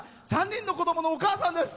３人の子供のお母さんです。